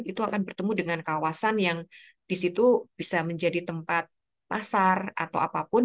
itu akan bertemu dengan kawasan yang disitu bisa menjadi tempat pasar atau apapun